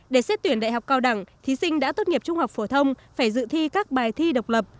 để xét tuyển đại học cao đẳng thí sinh đã tốt nghiệp trung học phổ thông phải dự thi các bài thi độc lập